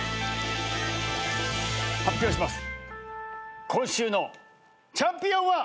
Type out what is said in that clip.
発表します。